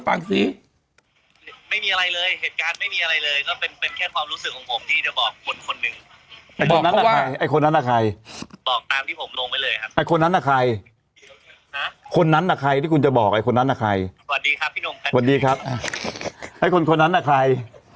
ตามที่ผมเขียนไว้ในไอซีเลย